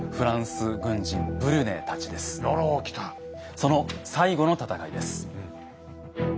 その最後の戦いです。